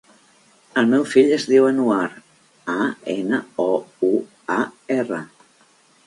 El meu fill es diu Anouar: a, ena, o, u, a, erra.